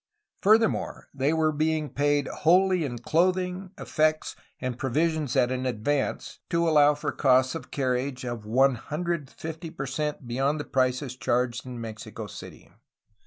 Furthermore, they were being paid wholly in clothing, effects, and provisions at an advance, to allow for costs of carriage, of 150 per cent be yond the prices charged in Mexico City.